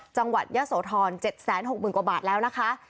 จังหวัดยะโสธร๗๖๐๐๐กว่าบาทแล้วนะคะ